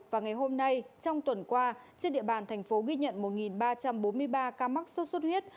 và ngày hôm nay trong tuần qua trên địa bàn thành phố ghi nhận một ba trăm bốn mươi ba ca mắc sốt xuất huyết